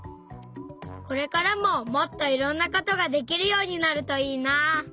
これからももっといろんなことができるようになるといいな！